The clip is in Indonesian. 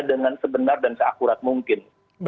dengan sebenar dan seakurat mungkin